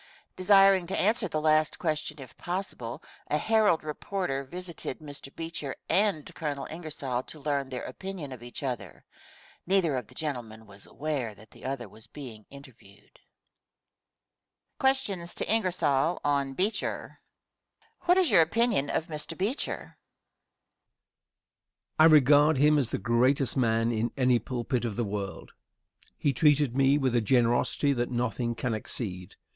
Desiring to answer the last question if possible, a Herald reporter visited Mr. Beecher and Colonel Ingersoll to learn their opinion of each other. Neither of the gentlemen was aware that the other was being interviewed.] Question. What is your opinion of Mr. Beecher? Answer. I regard him as the greatest man in any pulpit of the world. He treated me with a generosity that nothing can exceed.